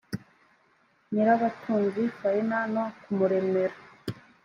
nyirabatunzi faina no kumuremera